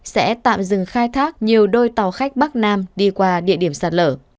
sẽ tạm dừng khai thác nhiều đôi tàu khách bắc nam đi qua địa điểm sạt lở